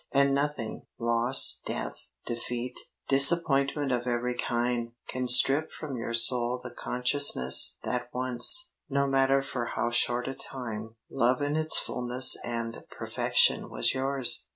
and nothing, loss, death, defeat, disappointment of every kind, can strip from your soul the consciousness that once, no matter for how short a time, love in its fullness and perfection was yours.